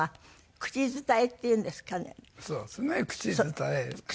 口伝え。